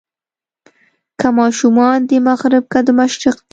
که ماشومان د مغرب که د مشرق دي.